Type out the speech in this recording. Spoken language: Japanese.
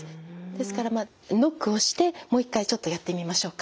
ですからまあノックをしてもう一回ちょっとやってみましょうか。